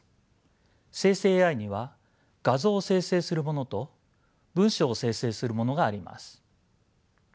生成ＡＩには画像を生成するものと文章を生成するものがあります。